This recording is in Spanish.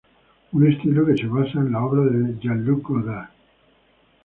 Un estilo que se basa en la obra de Jean-Luc Godard.